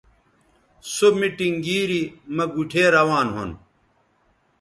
سو میٹنگ گیری مہ گوٹھے روان ھُون